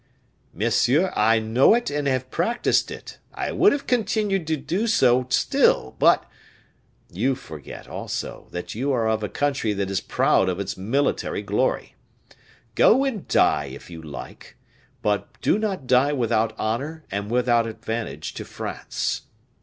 "Monsieur, I know it and have practiced it; I would have continued to do so still, but " "You forget also that you are of a country that is proud of its military glory; go and die if you like, but do not die without honor and without advantage to France.